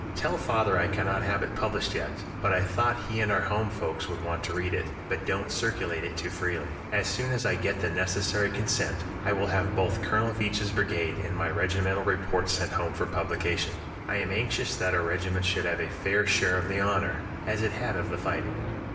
Tell father I cannot have it published yet, but I thought he and our home folks would want to read it, but don't circulate it too freely. As soon as I can get the necessary consent, I will have both Colonel Veatch's brigade and my regimental reports sent home for publication. I am anxious that our regiment should have a fair share of the honor, as it had of the fighting.